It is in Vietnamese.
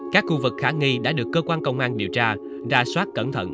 các khu vực khả nghi đã được cơ quan công an điều tra ra soát cẩn thận